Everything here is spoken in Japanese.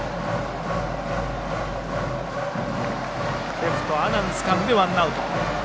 レフト阿南がつかんでワンアウト。